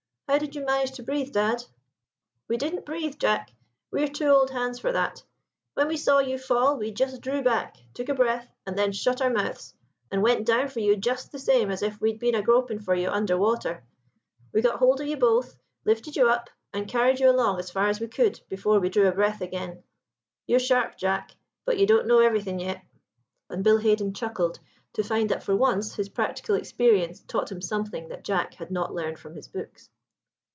How did you manage to breathe, dad?" "We didn't breathe, Jack; we're too old hands for that. When we saw you fall we just drew back, took a breath, and then shut our mouths, and went down for you just the same as if we'd been a groping for you under water. We got hold of you both, lifted you up, and carried you along as far as we could before we drew a breath again. You're sharp, Jack, but you don't know everything yet." And Bill Haden chuckled to find that for once his practical experience taught him something that Jack had not learned from his books.